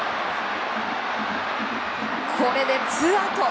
これでツーアウト。